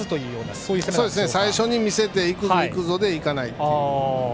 そうですね、最初に見せていくぞ、いくぞでいかないという。